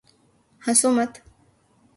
ہنسو مت